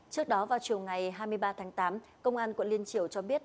trước đó vào chiều ngày hai mươi ba tháng tám công an quận liên triều cho biết